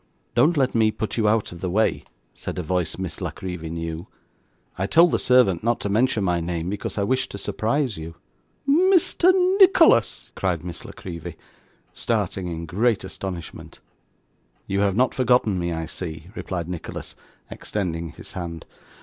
'Don't let me put you out of the way,' said a voice Miss La Creevy knew. 'I told the servant not to mention my name, because I wished to surprise you.' 'Mr. Nicholas!' cried Miss La Creevy, starting in great astonishment. 'You have not forgotten me, I see,' replied Nicholas, extending his hand.